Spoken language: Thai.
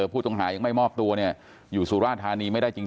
ผู้ต้องหายังไม่มอบตัวเนี่ยอยู่สุราธานีไม่ได้จริง